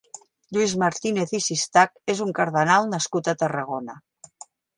Lluís Martínez i Sistach és un cardenal nascut a Tarragona.